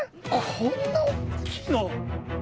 こんなに大きいの？